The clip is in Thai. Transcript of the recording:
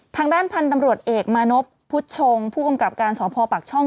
ทางด้านพันธุ์ตำรวจเอกมานพพุทธชงผู้กำกับการสพปากช่อง